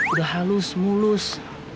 udah halus mulus